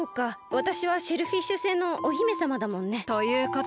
わたしはシェルフィッシュ星のお姫さまだもんね。ということは。